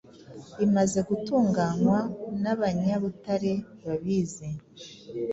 imaze gutunganywa nabanya Butare babizi.